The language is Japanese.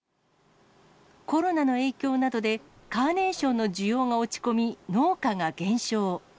コロナの影響などで、カーネーションの需要が落ち込み、農家が減少。